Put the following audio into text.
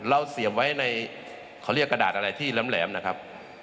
เสียบไว้ในเขาเรียกกระดาษอะไรที่แหลมนะครับ